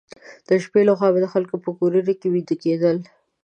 د شپې لخوا به د خلکو په کورونو کې ویده کېدل.